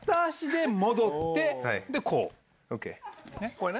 これね。